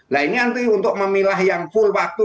nah ini nanti untuk memilah yang full waktu